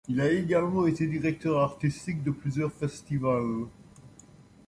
Il a également été directeur artistique de plusieurs festivals.